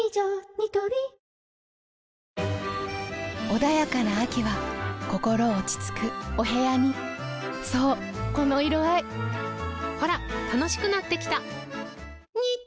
ニトリ穏やかな秋は心落ち着くお部屋にそうこの色合いほら楽しくなってきた！